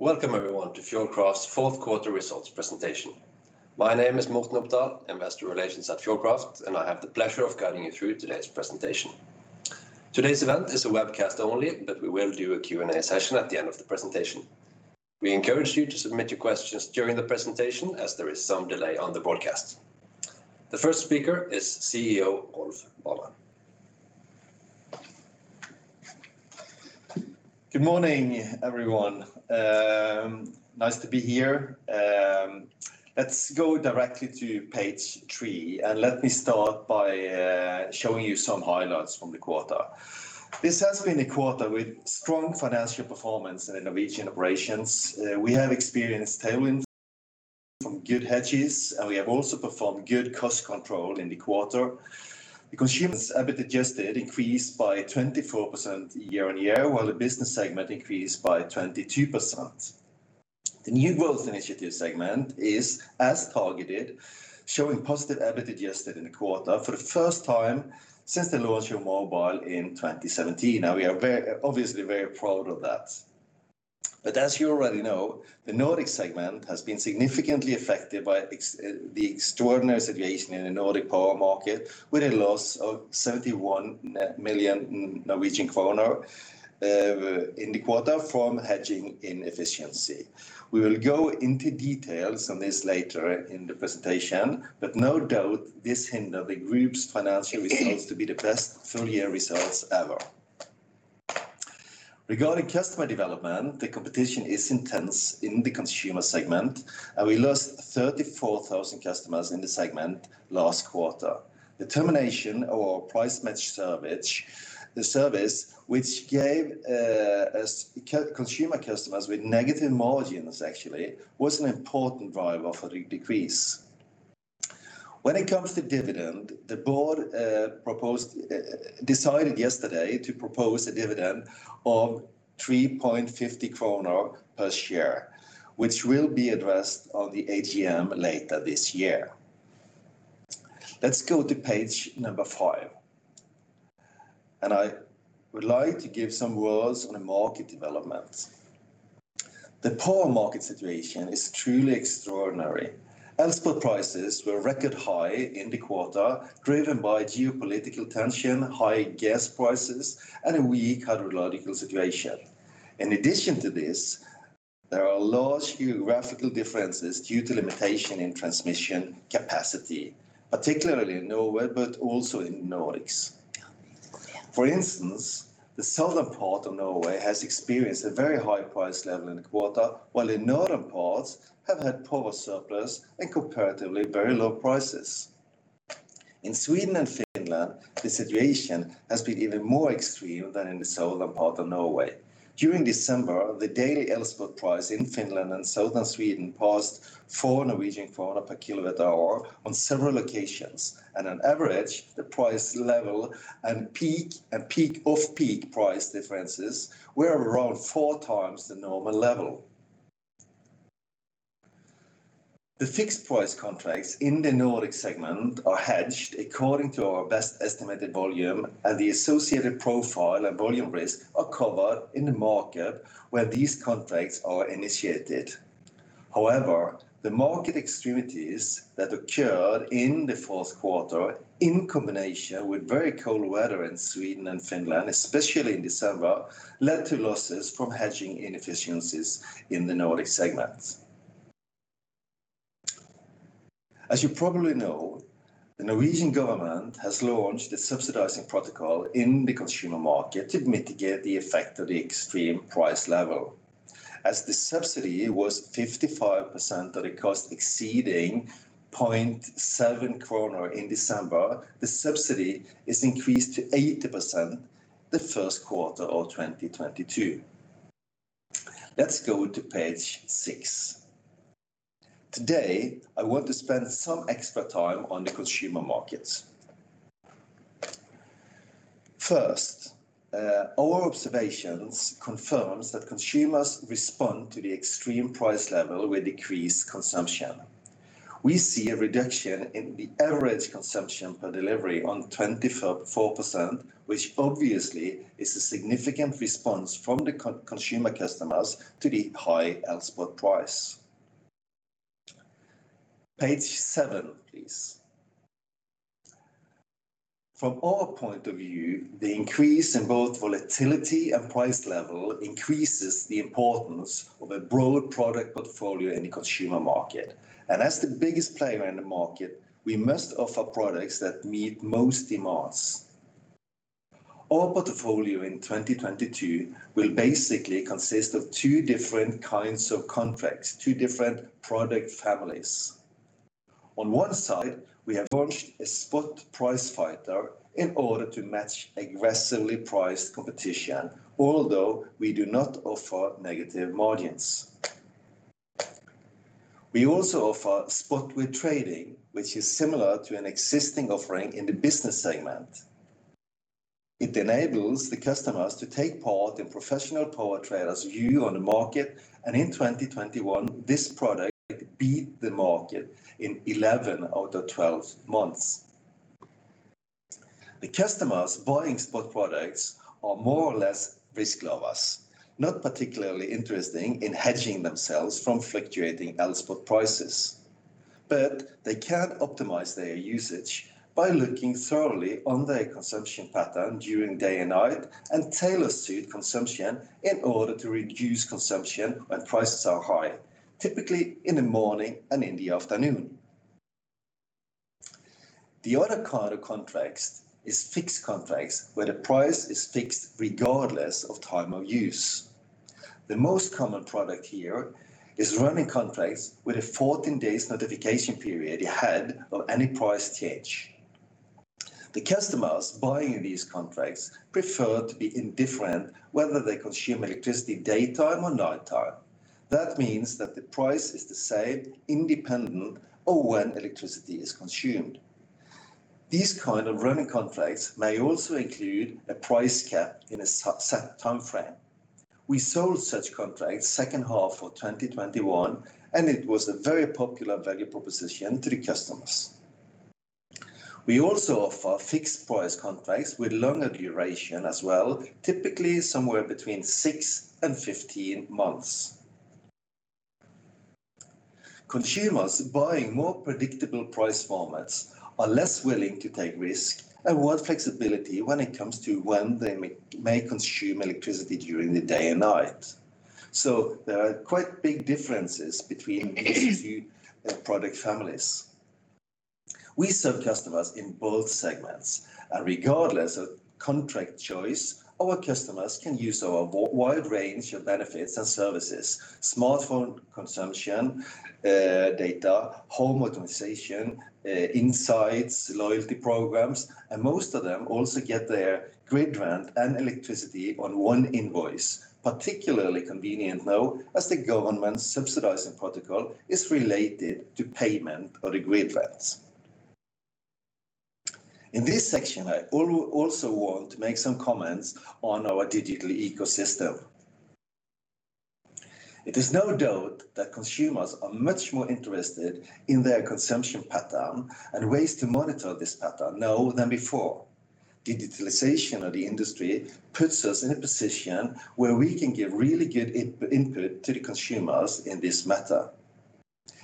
Welcome everyone to Fjordkraft's Fourth Quarter Results Presentation. My name is Morten Opdal, Investor Relations at Fjordkraft, and I have the pleasure of guiding you through today's presentation. Today's event is a webcast only, but we will do a Q&A session at the end of the presentation. We encourage you to submit your questions during the presentation as there is some delay on the broadcast. The first speaker is CEO Rolf Barmen. Good morning, everyone. Nice to be here. Let's go directly to page three, and let me start by showing you some highlights from the quarter. This has been a quarter with strong financial performance in the Norwegian operations. We have experienced tailwind from good hedges, and we have also performed good cost control in the quarter. The consumer's EBIT adjusted increased by 24% year-on-year, while the business segment increased by 22%. The new growth initiative segment is, as targeted, showing positive EBIT adjusted in the quarter for the first time since the launch of mobile in 2017, and we are obviously very proud of that. As you already know, the Nordic segment has been significantly affected by the extraordinary situation in the Nordic power market with a loss of 71 million Norwegian kroner in the quarter from hedging inefficiency. We will go into details on this later in the presentation, but no doubt this hindered the group's financial results to be the best full-year results ever. Regarding customer development, the competition is intense in the consumer segment, and we lost 34,000 customers in the segment last quarter. The termination of our price match service, the service which gave consumer customers with negative margins actually, was an important driver for the decrease. When it comes to dividend, the board decided yesterday to propose a dividend of 3.50 kroner per share, which will be addressed on the AGM later this year. Let's go to page five. I would like to give some words on the market development. The power market situation is truly extraordinary. Elspot prices were record high in the quarter, driven by geopolitical tension, high gas prices, and a weak hydrological situation. In addition to this, there are large geographical differences due to limitation in transmission capacity, particularly in Norway, but also in Nordics. For instance, the southern part of Norway has experienced a very high price level in the quarter, while the northern parts have had power surplus and comparatively very low prices. In Sweden and Finland, the situation has been even more extreme than in the southern part of Norway. During December, the daily Elspot price in Finland and southern Sweden passed 4 Norwegian kroner per kWh on several locations. On average, the price level, and peak and off-peak price differences were around 4x the normal level. The fixed price contracts in the Nordic segment are hedged according to our best estimated volume, and the associated profile and volume risk are covered in the market where these contracts are initiated. However, the market extremities that occurred in the fourth quarter in combination with very cold weather in Sweden and Finland, especially in December, led to losses from hedging inefficiencies in the Nordic segment. As you probably know, the Norwegian government has launched a subsidizing protocol in the consumer market to mitigate the effect of the extreme price level. As the subsidy was 55% of the cost exceeding 0.7 kroner in December, the subsidy is increased to 80% the first quarter of 2022. Let's go to page six. Today, I want to spend some extra time on the consumer markets. First, our observations confirm that consumers respond to the extreme price level with decreased consumption. We see a reduction in the average consumption per delivery on 24%, which obviously is a significant response from the consumer customers to the high Elspot price. Page seven, please. From our point of view, the increase in both volatility and price level increases the importance of a broad product portfolio in the consumer market. As the biggest player in the market, we must offer products that meet most demands. Our portfolio in 2022 will basically consist of two different kinds of contracts, two different product families. On one side, we have launched a spot price fighter in order to match aggressively priced competition, although we do not offer negative margins. We also offer spot with trading, which is similar to an existing offering in the business segment. It enables the customers to take part in professional power traders' view on the market, and in 2021, this product beat the market in 11 out of 12 months. The customers buying spot products are more or less risk lovers, not particularly interested in hedging themselves from fluctuating Elspot prices. They can optimize their usage by looking thoroughly at their consumption pattern during day and night, and tailor their consumption in order to reduce consumption when prices are high, typically in the morning and in the afternoon. The other kind of contracts is fixed contracts, where the price is fixed regardless of time of use. The most common product here is running contracts with a 14 days notification period ahead of any price change. The customers buying these contracts prefer to be indifferent whether they consume electricity daytime or nighttime. That means that the price is the same independent of when electricity is consumed. These kind of running contracts may also include a price cap in a set timeframe. We sold such contracts second half of 2021, and it was a very popular value proposition to the customers. We also offer fixed price contracts with longer duration as well, typically somewhere between six and 15 months. Consumers buying more predictable price formats are less willing to take risk and want flexibility when it comes to when they may consume electricity during the day and night. There are quite big differences between these two product families. We serve customers in both segments, and regardless of contract choice, our customers can use our wide range of benefits and services: smartphone consumption, data, home optimization, insights, loyalty programs, and most of them also get their grid rent and electricity on one invoice. Particularly convenient now, as the government subsidizing protocol is related to payment of the grid rents. In this section, I also want to make some comments on our digital ecosystem. It is no doubt that consumers are much more interested in their consumption pattern and ways to monitor this pattern now than before. Digitalization of the industry puts us in a position where we can give really good input to the consumers in this matter.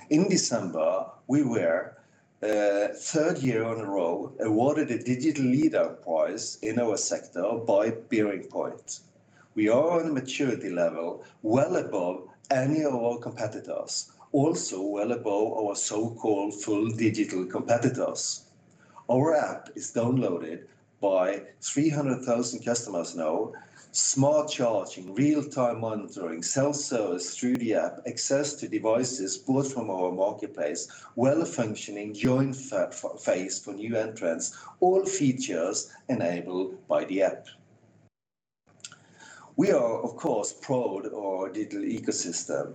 In December, we were third year in a row, awarded a Digital Leader Prize in our sector by BearingPoint. We are on a maturity level well above any of our competitors, also well above our so-called full digital competitors. Our app is downloaded by 300,000 customers now. Smart charging, real-time monitoring, self-service through the app, access to devices bought from our marketplace, well-functioning interface for new entrants, all features enabled by the app. We are, of course, proud of our digital ecosystem,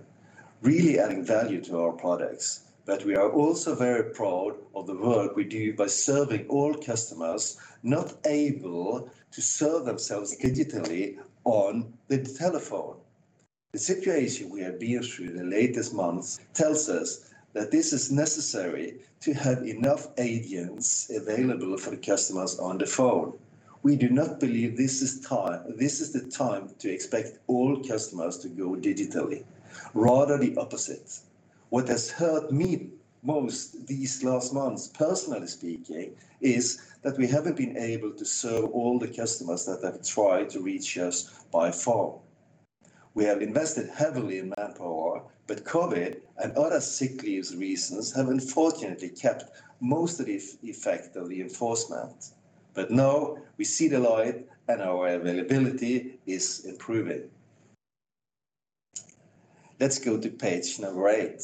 really adding value to our products. We are also very proud of the work we do by serving all customers not able to serve themselves digitally on the telephone. The situation we have been through in the latest months tells us that this is necessary to have enough agents available for the customers on the phone. We do not believe this is the time to expect all customers to go digitally, rather the opposite. What has hurt me most these last months, personally speaking, is that we haven't been able to serve all the customers that have tried to reach us by phone. We have invested heavily in manpower, but COVID and other sick leaves reasons have unfortunately kept most of the effect of the enforcement. Now we see the light, and our availability is improving. Let's go to page number eight.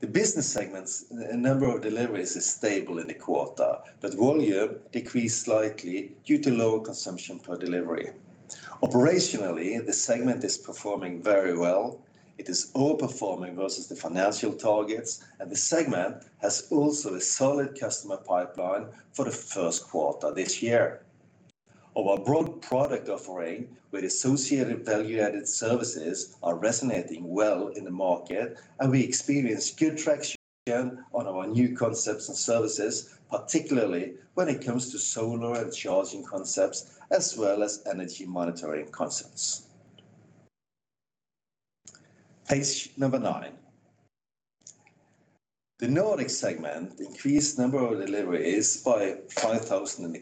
The business segments, the number of deliveries is stable in the quarter, but volume decreased slightly due to lower consumption per delivery. Operationally, the segment is performing very well. It is outperforming versus the financial targets, and the segment has also a solid customer pipeline for the first quarter this year. Our broad product offering with associated value-added services are resonating well in the market, and we experience good traction on our new concepts and services, particularly when it comes to solar and charging concepts, as well as energy monitoring concepts. Page number nine. The Nordic segment increased number of deliveries by 5,000 in the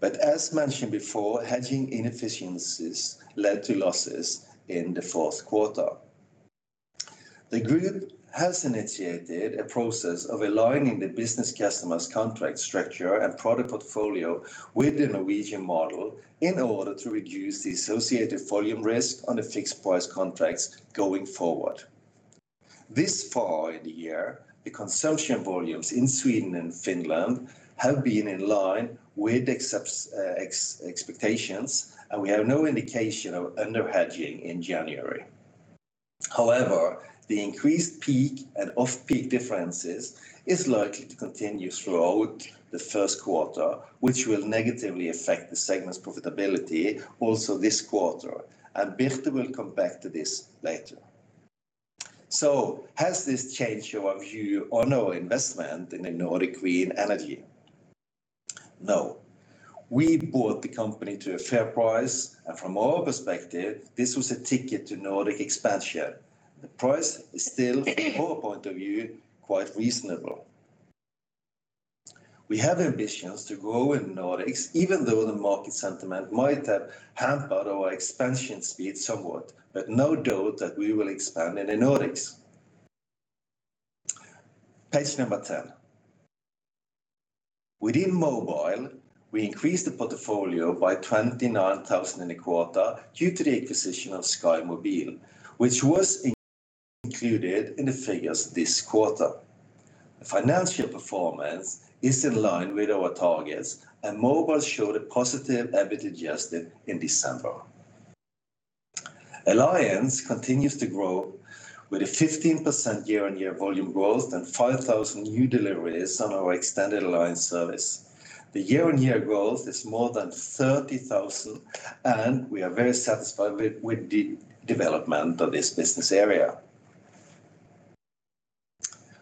quarter. As mentioned before, hedging inefficiencies led to losses in the fourth quarter. The group has initiated a process of aligning the business customers' contract structure and product portfolio with the Norwegian model in order to reduce the associated volume risk on the fixed price contracts going forward. This far in the year, the consumption volumes in Sweden and Finland have been in line with expectations, and we have no indication of under-hedging in January. However, the increased peak and off-peak differences is likely to continue throughout the first quarter, which will negatively affect the segment's profitability also this quarter, and Birte will come back to this later. Has this changed your view on our investment in the Nordic Green Energy? No. We bought the company to a fair price, and from our perspective, this was a ticket to Nordic expansion. The price is still, from our point of view, quite reasonable. We have ambitions to grow in Nordics, even though the market sentiment might have hampered our expansion speed somewhat, but no doubt that we will expand in the Nordics. Page number 10. Within mobile, we increased the portfolio by 29,000 in the quarter due to the acquisition of Skymobil, which was included in the figures this quarter. Financial performance is in line with our targets, and mobile showed a positive EBIT adjusted in December. Alliance continues to grow with a 15% year-on-year volume growth and 5,000 new deliveries on our extended alliance service. The year-on-year growth is more than 30,000, and we are very satisfied with the development of this business area.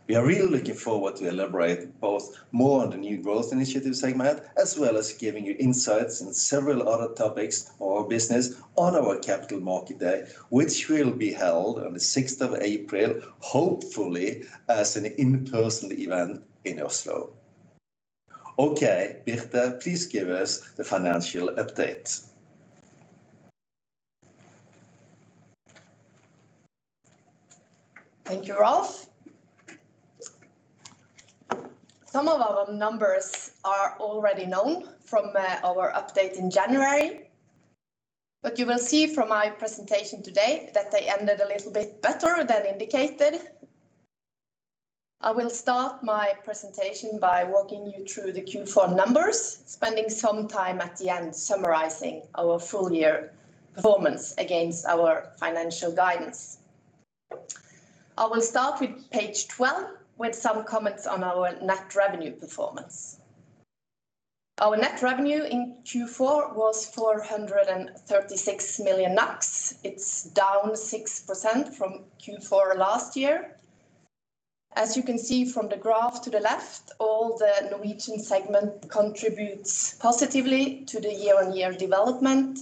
We are really looking forward to elaborate both more on the new growth initiatives segment, as well as giving you insights on several other topics of our business on our Capital Markets Day, which will be held on the 6th of April, hopefully as an in-person event in Oslo. Okay. Birte, please give us the financial update. Thank you, Rolf. Some of our numbers are already known from our update in January, but you will see from my presentation today that they ended a little bit better than indicated. I will start my presentation by walking you through the Q4 numbers, spending some time at the end summarizing our full year performance against our financial guidance. I will start with page 12 with some comments on our net revenue performance. Our net revenue in Q4 was 436 million. It's down 6% from Q4 last year. As you can see from the graph to the left, all the Norwegian segment contributes positively to the year-on-year development,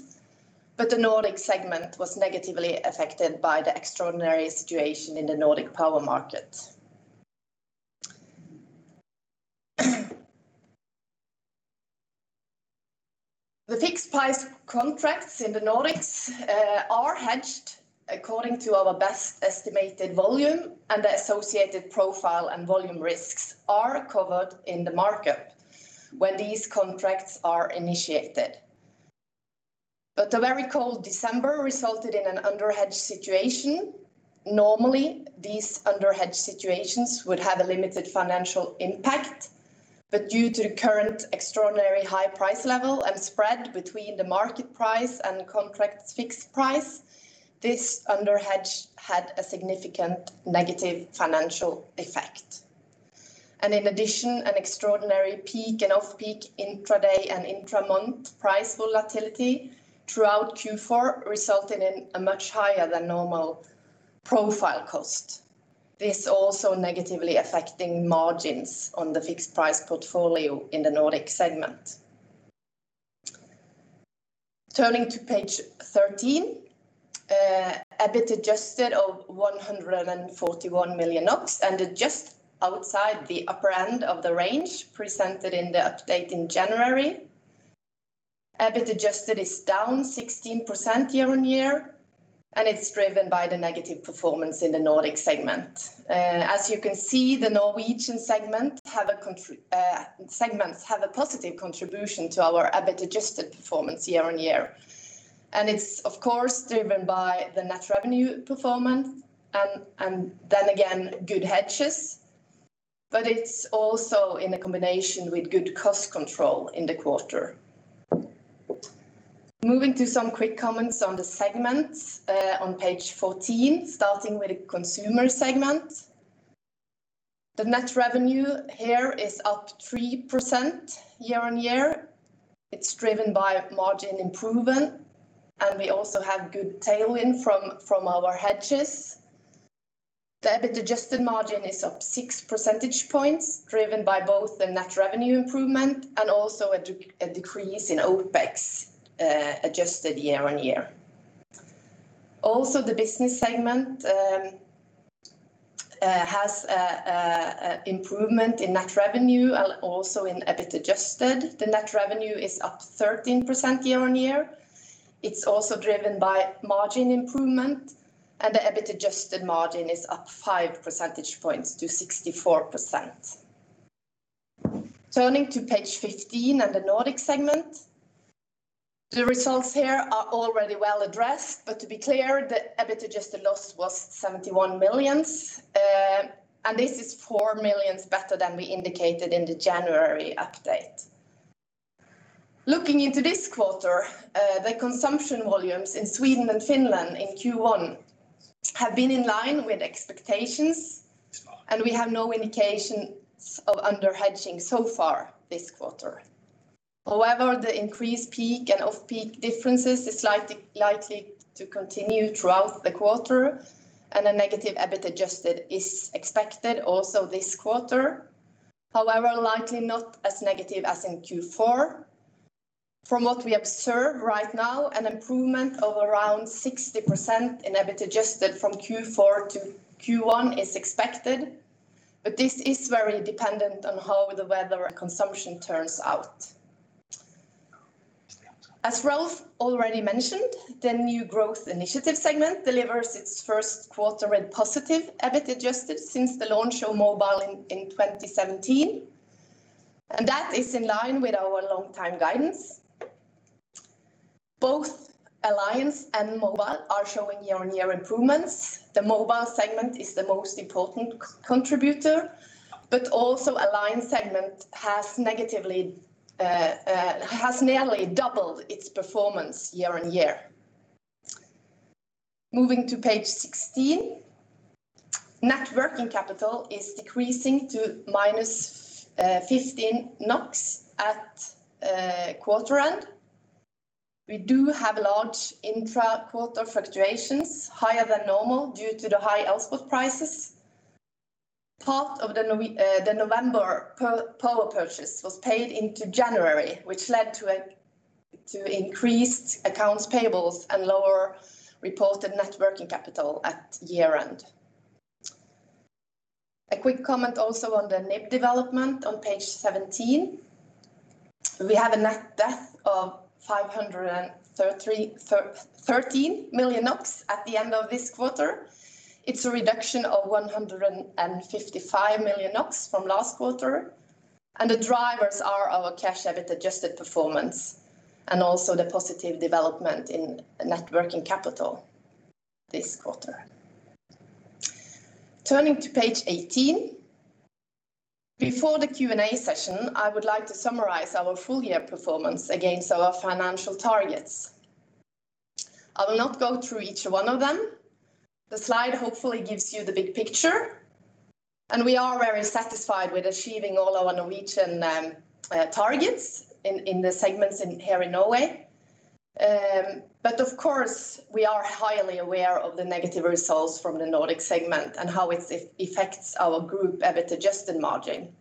but the Nordic segment was negatively affected by the extraordinary situation in the Nordic power market. The fixed price contracts in the Nordics are hedged according to our best estimated volume, and the associated profile and volume risks are covered in the market when these contracts are initiated. The very cold December resulted in an under-hedged situation. Normally, these under-hedged situations would have a limited financial impact, but due to the current extraordinary high price level and spread between the market price and contract fixed price, this under-hedge had a significant negative financial effect. In addition, an extraordinary peak and off-peak intraday and intra-month price volatility throughout Q4 resulted in a much higher than normal profile cost. This also negatively affecting margins on the fixed price portfolio in the Nordic segment. Turning to page 13, EBIT adjusted of 141 million and just outside the upper end of the range presented in the update in January. EBIT adjusted is down 16% year-on-year, and it's driven by the negative performance in the Nordic segment. As you can see, segments have a positive contribution to our EBIT adjusted performance year-on-year. It's, of course, driven by the net revenue performance and then again, good hedges, but it's also in a combination with good cost control in the quarter. Moving to some quick comments on the segments, on page 14, starting with the consumer segment. The net revenue here is up 3% year-on-year. It's driven by margin improvement, and we also have good tailwind from our hedges. The EBIT adjusted margin is up 6 percentage points, driven by both the net revenue improvement and also a decrease in OpEx, adjusted year-on-year. The business segment has a improvement in net revenue and also in EBIT adjusted. The net revenue is up 13% year-on-year. It's also driven by margin improvement, and the EBIT adjusted margin is up 5 percentage points to 64%. Turning to page 15 and the Nordic segment. The results here are already well addressed, but to be clear, the EBIT adjusted loss was 71 million, and this is 4 million better than we indicated in the January update. Looking into this quarter, the consumption volumes in Sweden and Finland in Q1 have been in line with expectations, and we have no indications of under-hedging so far this quarter. However, the increased peak and off-peak differences is likely to continue throughout the quarter, and a negative EBIT adjusted is expected also this quarter. However, likely not as negative as in Q4. From what we observe right now, an improvement of around 60% in EBIT adjusted from Q4 to Q1 is expected. This is very dependent on how the weather and consumption turns out. As Rolf already mentioned, the new growth initiative segment delivers its first quarter in positive EBIT adjusted since the launch of mobile in 2017. That is in line with our long-time guidance. Both Alliance and Mobile are showing year-on-year improvements. The mobile segment is the most important contributor, but also Alliance segment has nearly doubled its performance year-on-year. Moving to page 16. Net working capital is decreasing to -15 NOK at quarter end. We do have large intra-quarter fluctuations, higher than normal due to the high output prices. Part of the November power purchase was paid into January, which led to to increased accounts payables and lower reported net working capital at year-end. A quick comment also on the NIBD development on page 17. We have a net debt of 513 million NOK at the end of this quarter. It's a reduction of 155 million NOK from last quarter, and the drivers are our cash EBIT adjusted performance, and also the positive development in net working capital this quarter. Turning to page 18. Before the Q&A session, I would like to summarize our full-year performance against our financial targets. I will not go through each one of them. The slide hopefully gives you the big picture, and we are very satisfied with achieving all our Norwegian targets in the segments in here in Norway. Of course, we are highly aware of the negative results from the Nordic segment and how it's effects our group EBIT adjusted margin.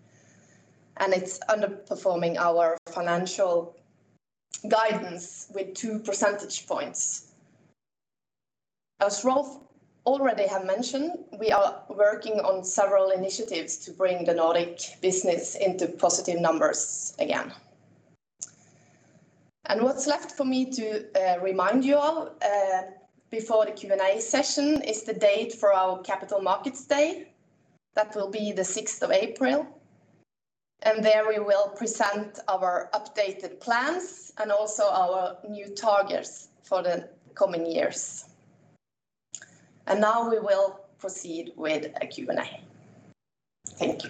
It's underperforming our financial guidance with 2 percentage points. As Rolf already have mentioned, we are working on several initiatives to bring the Nordic business into positive numbers again. What's left for me to remind you all before the Q&A session is the date for our Capital Markets Day. That will be the 6th of April. There we will present our updated plans and also our new targets for the coming years. Now we will proceed with a Q&A. Thank you.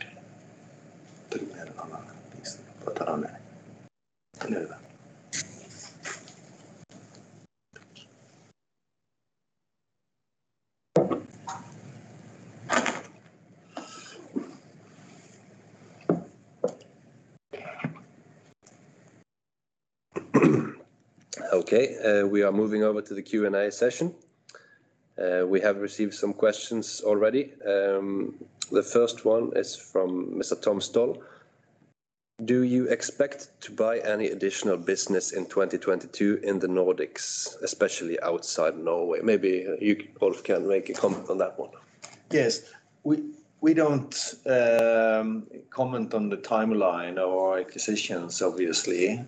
Okay. We are moving over to the Q&A session. We have received some questions already. The first one is from Mr. [Tom Stoll]. Do you expect to buy any additional business in 2022 in the Nordics, especially outside Norway? Maybe you, Rolf, can make a comment on that one. Yes. We don't comment on the timeline or acquisitions, obviously.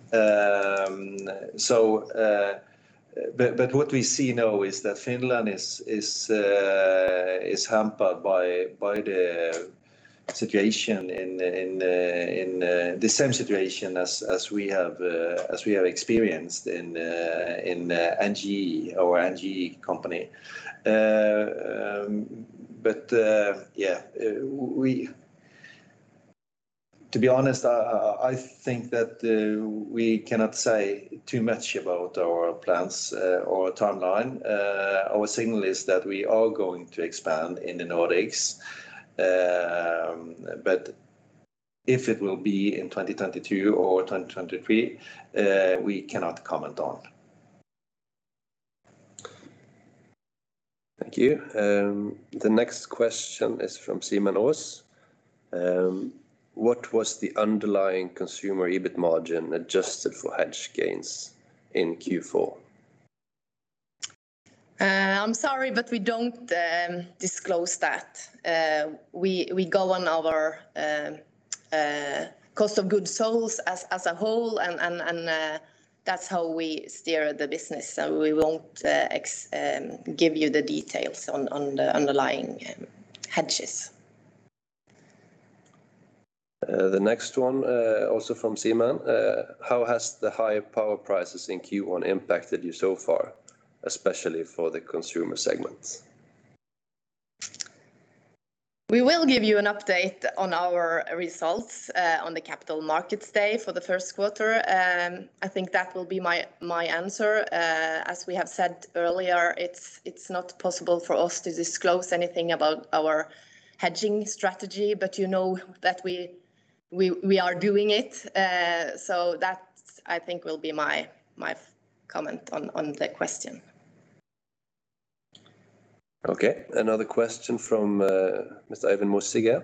What we see now is that Finland is hampered by the same situation as we have experienced in NGE, our NGE company. To be honest, I think that we cannot say too much about our plans or timeline. Our signal is that we are going to expand in the Nordics. If it will be in 2022 or 2023, we cannot comment on. Thank you. The next question is from [Simon Os]. What was the underlying consumer EBIT margin adjusted for hedge gains in Q4? I'm sorry, but we don't disclose that. We go on our cost of goods sold as a whole and that's how we steer the business. We won't give you the details on the underlying hedges. The next one, also from Simon. How has the high power prices in Q1 impacted you so far, especially for the consumer segment? We will give you an update on our results on the Capital Markets Day for the first quarter. I think that will be my answer. As we have said earlier, it's not possible for us to disclose anything about our hedging strategy. You know that we are doing it. That, I think, will be my comment on the question. Okay. Another question from Mr. [Eyvind Mossige].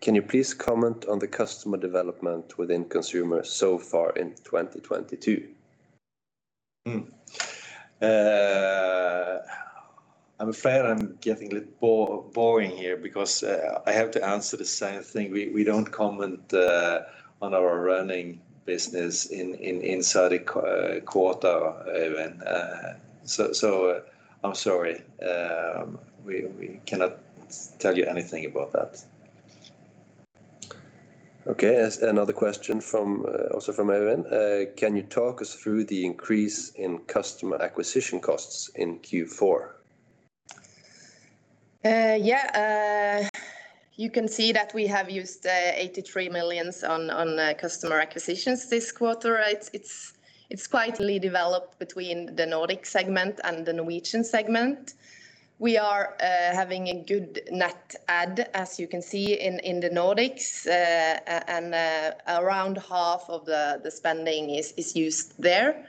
Can you please comment on the customer development within consumer so far in 2022? I'm afraid I'm getting a little boring here because I have to answer the same thing. We don't comment on our running business inside a quarter, Evan. I'm sorry. We cannot tell you anything about that. Okay. As another question from, also from [Eyvind]. Can you talk us through the increase in customer acquisition costs in Q4? Yeah. You can see that we have used 83 million on customer acquisitions this quarter, right? It's quietly developed between the Nordic segment and the Norwegian segment. We are having a good net add, as you can see in the Nordics. And around half of the spending is used there.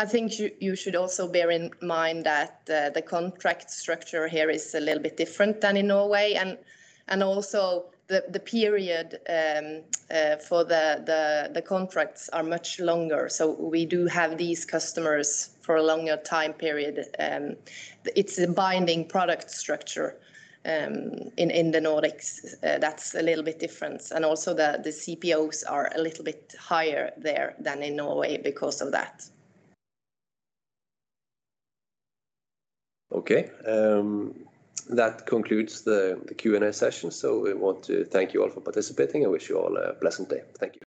I think you should also bear in mind that the contract structure here is a little bit different than in Norway and also the period for the contracts are much longer. So we do have these customers for a longer time period. It's a binding product structure in the Nordics. That's a little bit different. And also the CPOs are a little bit higher there than in Norway because of that. Okay. That concludes the Q&A session. We want to thank you all for participating and wish you all a pleasant day. Thank you.